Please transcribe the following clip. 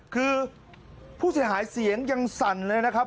คือผู้เสียหายเสียงยังสั่นเลยนะครับ